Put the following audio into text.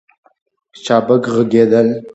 چابک ږغېدل